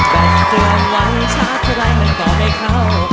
แต่ก็ล้างช้าเท่าไหร่เราต่อให้เค้า